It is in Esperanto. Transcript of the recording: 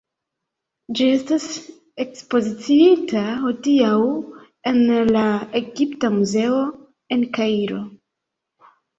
Ĝi estas ekspoziciita hodiaŭ en la Egipta Muzeo en Kairo.